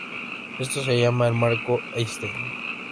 Esto se llama el marco Einstein.